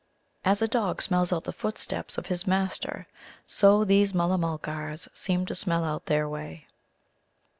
As a dog smells out the footsteps of his master so these Mulla mulgars seemed to smell out their way.